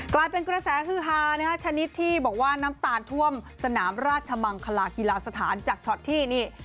กลายเป็นกระแสฮือฮานะฮะชนิดที่บอกว่าน้ำตาลท่วมสนามราชมังคลากีฬาสถานจากช็อตที่นี่